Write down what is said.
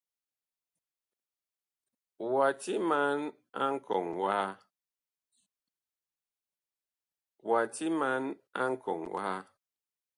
Wa timan a nkɔŋ waha.